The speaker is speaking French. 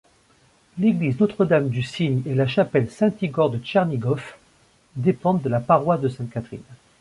L'église Notre-Dame du Signe et la chapelle Saint-Igor-de-Tchernigov dépendent de la paroisse de Sainte-Catherine.